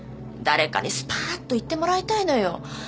誰かにスパーッと言ってもらいたいのよ。